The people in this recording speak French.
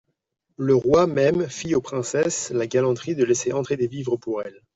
Le roi même fit aux princesses la galanterie de laisser entrer des vivres pour elles.